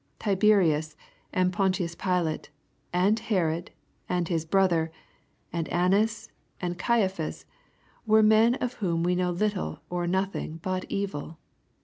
Tiberius, and Pontius Pilate, and Herod, and his brother, and Annas, and Caiaphas, were men of whom we know little or nothing but evil.